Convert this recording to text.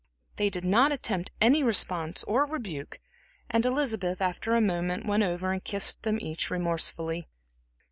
They did not attempt any response, or rebuke, and Elizabeth, after a moment, went over and kissed them each remorsefully.